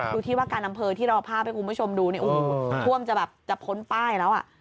ดูที่ว่าการอำเภอที่เราภาพให้คุณผู้ชมดูเนี่ยโอ้โหท่วมจะแบบจะพ้นป้ายแล้วอ่ะ